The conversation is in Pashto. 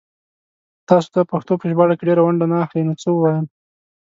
تاسو دا پښتو په ژباړه کې ډيره ونډه نه اخلئ نو څه ووايم